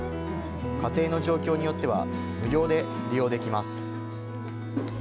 家庭の状況によっては無料で利用できます。